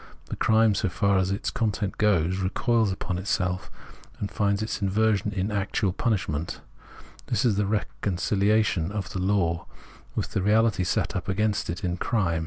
The crime, so far as its content goes, recoils upon itself, finds its inversion in actual punishment ; this is the reconcihation of the law with the reality set up against it in crime.